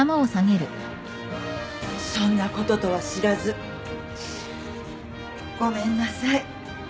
そんなこととは知らずごめんなさい。